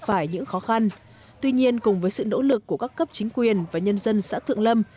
phải những khó khăn tuy nhiên cùng với sự nỗ lực của các cấp chính quyền và nhân dân xã thượng lâm